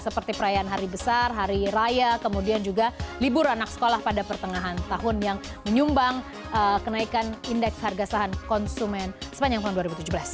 seperti perayaan hari besar hari raya kemudian juga libur anak sekolah pada pertengahan tahun yang menyumbang kenaikan indeks harga saham konsumen sepanjang tahun dua ribu tujuh belas